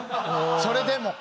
それでも。